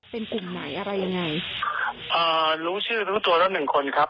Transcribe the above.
เป็นกลุ่มไหนอะไรยังไงอ่ารู้ชื่อรู้ตัวแล้วหนึ่งคนครับ